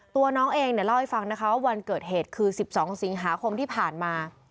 ตัวน้องเองเนี่ยเล่าให้ฟังนะคะว่าวันเกิดเหตุคือ๑๒สิงหาคมที่ผ่านมา